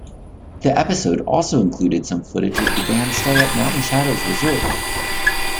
The episode also included some footage of the band's stay at Mountain Shadows Resort.